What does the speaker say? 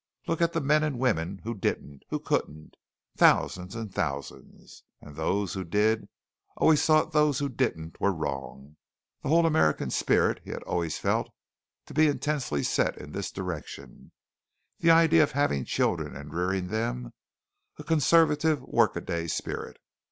Look at the men and women who didn't who couldn't. Thousands and thousands. And those who did always thought those who didn't were wrong. The whole American spirit he had always felt to be intensely set in this direction the idea of having children and rearing them, a conservative work a day spirit.